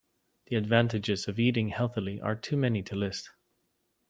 The advantages of eating healthily are too many to list.